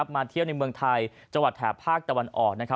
มาเที่ยวในเมืองไทยจังหวัดแถบภาคตะวันออก